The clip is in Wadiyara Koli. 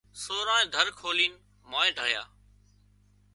سورانئين در کولينَ مانئين ڍۯيا